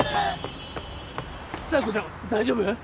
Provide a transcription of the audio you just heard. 佐弥子ちゃん大丈夫？